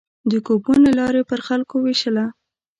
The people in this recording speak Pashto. د کوپون له لارې پر خلکو وېشله.